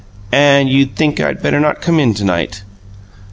"And you think I'd better not come in to night?"